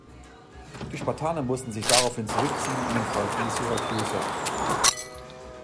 Die Spartaner mussten sich daraufhin zurückziehen, ihnen folgten die Syrakuser.